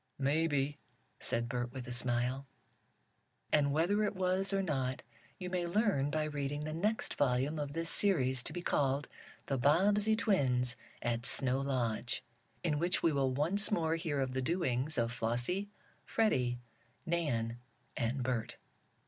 "Maybe," said Bert with a smile. And whether it was or not you may learn by reading the next volume of this series, to be called: "The Bobbsey Twins at Snow Lodge," in which we will once more hear of the doings of Flossie, Freddie Nan and Bert.